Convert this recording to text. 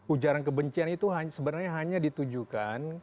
ujaran kebencian itu sebenarnya hanya ditujukan